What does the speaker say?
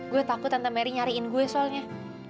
gue takut tante mary nyariin gue soalnya